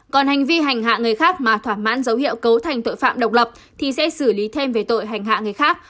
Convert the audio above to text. còn hành vi hành hạ người khác mà thỏa mãn dấu hiệu cấu thành tội phạm độc lập thì sẽ xử lý thêm về tội hành hạ người khác